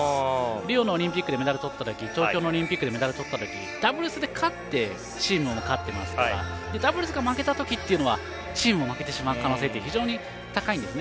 リオのオリンピックでメダルをとった時東京のオリンピックでメダルとった時ダブルスで勝ってチームも勝ってますからダブルスが負けたときはチームも負けてしまう可能性は非常に高いんですね。